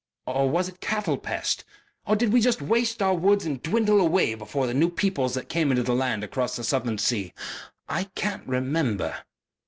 Or was it cattle pest? Or did we just waste our woods and dwindle away before the new peoples that came into the land across the southern sea? I can't remember...."